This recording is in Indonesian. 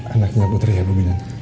anaknya putri ya buminan